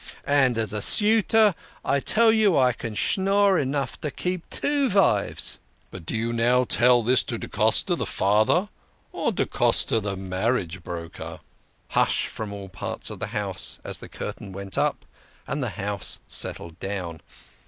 " And as a suitor I tell you I can schnorr enough to keep two vives." " But do you tell this to da Costa the father or da Costa the marriage broker?" 66 THE KING OF SCHNORRERS. " Hush !" from all parts of the house as the curtail went up and the house settled down.